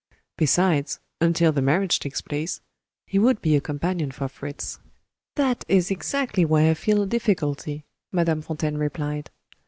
Besides (until the marriage takes place), he would be a companion for Fritz." "That is exactly where I feel a difficulty," Madame Fontaine replied.